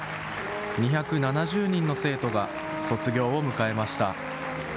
２７０人の生徒が卒業を迎えました。